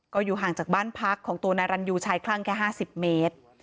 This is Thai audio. ก็อยู่ห่างจากบ้านพักของตัวนายรันยูชายคลั่งแค่๕๐เมตร